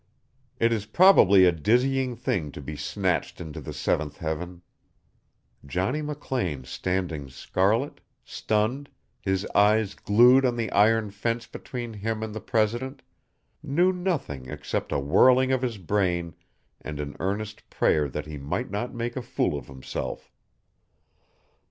It is probably a dizzying thing to be snatched into the seventh heaven. Johnny McLean standing, scarlet, stunned, his eyes glued on the iron fence between him and the president, knew nothing except a whirling of his brain and an earnest prayer that he might not make a fool of himself.